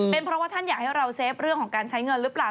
เป็นเพราะว่าท่านอยากให้เราเซฟเรื่องของการใช้เงินหรือเปล่า